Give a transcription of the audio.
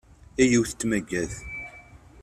A yiwet n tmagadt!